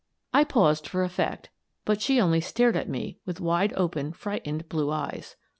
I paused for effect, but she only stared at me with wide opened frightened blue eyes.